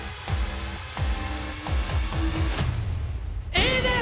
Ａです！